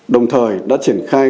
đồng thời đã triển khai